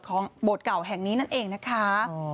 ของโบดเก่าแห่งนี้นั่นเองนะคะ